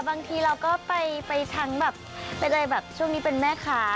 บางทีเราก็ไปชั้นตัวว่า